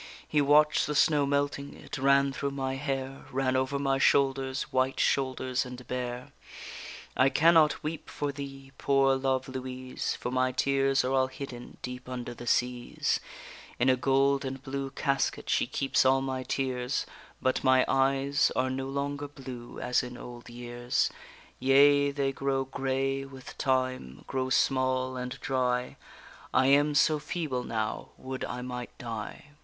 He watch'd the snow melting, it ran through my hair, Ran over my shoulders, white shoulders and bare. I cannot weep for thee, poor love Louise, For my tears are all hidden deep under the seas; In a gold and blue casket she keeps all my tears, But my eyes are no longer blue, as in old years; Yea, they grow grey with time, grow small and dry, I am so feeble now, would I might die.